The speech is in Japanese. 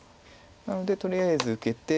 なのでとりあえず受けて。